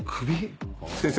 先生。